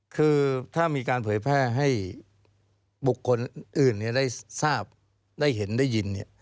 คือถ้ามีการเผยแพร่ให้บุคคลอื่นได้ทราบได้เห็นได้ยิน